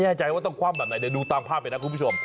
ผมไม่แน่ใจว่าจะต้องคว่ำแบบไหนแต่ดูตามภาพไปนะครับคุณผู้ชม